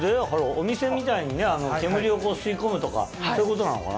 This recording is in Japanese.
お店みたいにね煙を吸い込むとかそういうことなのかな？